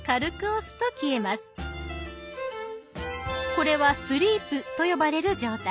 これは「スリープ」と呼ばれる状態。